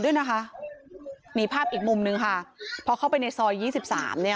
ด้วยนะคะมีภาพอีกมุมนึงค่ะเพราะเข้าไปในซอย๒๓เนี่ย